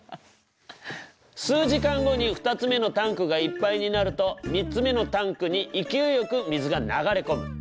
数時間後に２つ目のタンクがいっぱいになると３つ目のタンクに勢いよく水が流れ込む。ＯＫ。